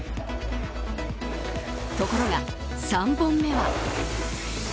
ところが、３本目は。